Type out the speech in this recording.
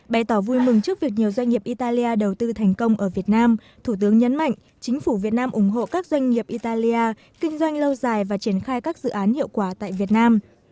bày tỏ vui mừng trước việc nhiều doanh nghiệp italia đầu tư thành công ở việt nam thủ tướng nhấn mạnh chính phủ việt nam ủng hộ các doanh nghiệp italia kinh doanh lâu dài và triển khai các dự án hiệu quả tại việt nam